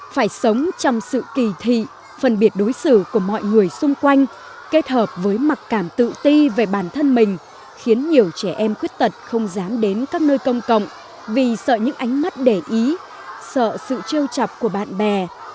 phải sống trong sự kỳ thị phân biệt đối xử của mọi người xung quanh kết hợp với mặc cảm tự ti về bản thân mình khiến nhiều trẻ em khuyết tật không dám đến các nơi công cộng vì sợ những ánh mắt để ý sợ sự chiêu chập của bạn bè